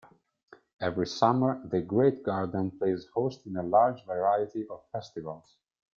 Every summer, the Great Garden plays host a large variety of festivals.